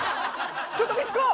ちょっとミツコ！